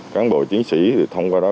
cán bộ chiến sĩ thì thông qua đó